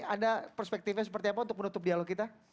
ada perspektifnya seperti apa untuk menutup dialog kita